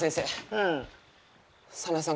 うん？